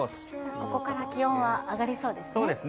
ここから気温は上がりそうでそうですね。